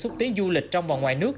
xúc tiến du lịch trong và ngoài nước